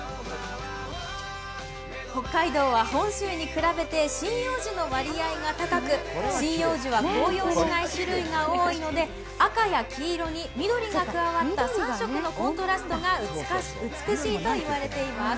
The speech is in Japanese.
北海道は本州に比べて針葉樹の割合が高く針葉樹は紅葉しない種類が多いので、赤や黄色に緑が加わった３色のコントラストが美しいといわれています。